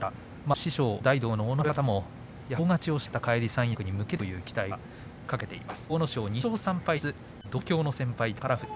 師匠、大道の阿武松親方も大勝ちをして返り三役に向けてという期待をかけています。